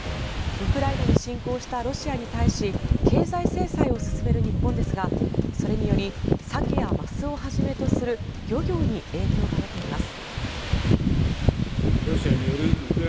ウクライナに侵攻したロシアに対し経済制裁を進める日本ですがそれによりサケやマスをはじめとする漁業に影響が出ています。